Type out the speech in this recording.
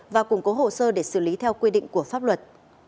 và củng cố hồ sơ để xử lý theo quy định của pháp luật